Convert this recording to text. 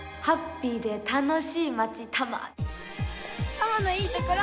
多摩のいいところ！